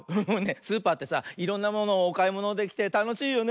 スーパーってさいろんなものをおかいものできてたのしいよね。